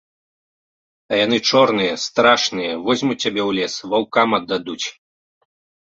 А яны чорныя, страшныя, возьмуць цябе ў лес, ваўкам аддадуць!